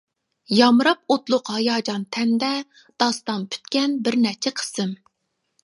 يامراپ ئوتلۇق ھاياجان تەندە، داستان پۈتكەن بىر نەچچە قىسىم.